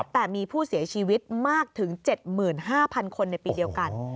แต่มีผู้เสียชีวิตมากถึง๗๕๐๐คนในปีเดียวกัน